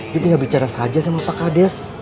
dia tinggal bicara saja sama pak kades